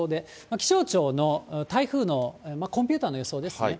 気象庁の台風のコンピューターの予想ですね。